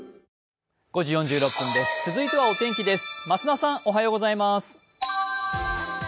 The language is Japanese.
続いてはお天気です。